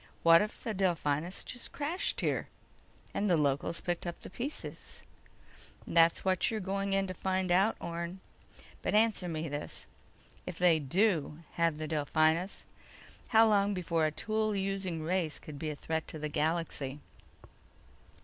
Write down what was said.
"What if the Delphinus just crashed here ... and the locals picked up the pieces?" "That's what you're going in to find out, Orne. But answer me this: If they do have the Delphinus, how long before a tool using race could be a threat to the galaxy?"